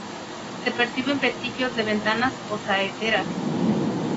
Se perciben vestigios de ventanas o saeteras.